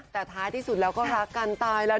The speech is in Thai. แต่ท้ายที่สุดแล้วก็รักกันตายแล้ว